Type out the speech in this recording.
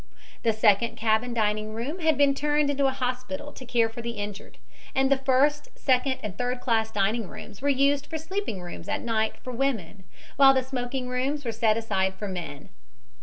The second cabin dining room had been turned into a hospital to care for the injured, and the first, second and third class dining rooms were used for sleeping rooms at night for women, while the smoking rooms were set aside for men.